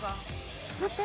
待って。